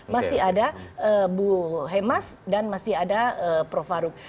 masih ada bu hemas dan masih ada prof faruk